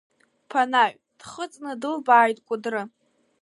Ԥанаҩ, дхыҵны дылбааит Кәыдры.